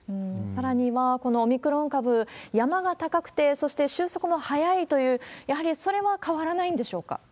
さらには、このオミクロン株、山が高くて、そして収束も早いという、やはりそれは変わらないんでしょうか？